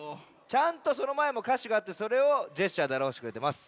ちゃんとそのまえもかしがあってそれをジェスチャーであらわしてくれてます。